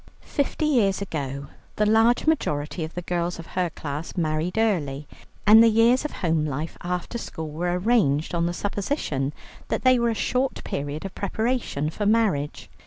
Fifty years ago the large majority of the girls of her class married early, and the years of home life after school were arranged on the supposition that they were a short period of preparation for marriage.